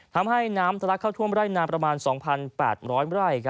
ทำให้น้ำทะลักเข้าท่วมไร่นาประมาณ๒๘๐๐ไร่